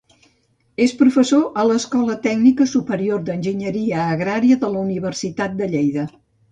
És professor a l'Escola Tècnica Superior d'Enginyeria Agrària, de la Universitat de Lleida.